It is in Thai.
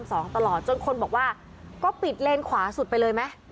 ตลอดจนคนบอกว่าก็ปิดเลนขวาสุดไปเลยไหม